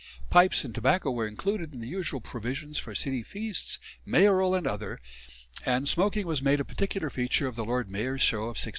Pipes and tobacco were included in the usual provision for city feasts, mayoral and other; and smoking was made a particular feature of the Lord Mayor's Show of 1672.